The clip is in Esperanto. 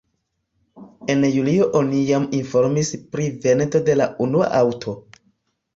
En julio oni jam informis pri vendo de la unua aŭto.